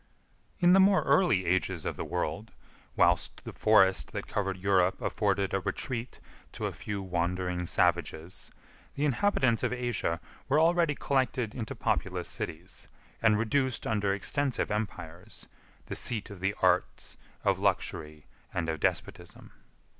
In the more early ages of the world, whilst the forest that covered Europe afforded a retreat to a few wandering savages, the inhabitants of Asia were already collected into populous cities, and reduced under extensive empires the seat of the arts, of luxury, and of despotism.